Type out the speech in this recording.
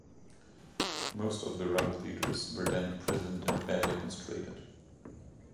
Most of the rebel leaders were then imprisoned and badly mistreated.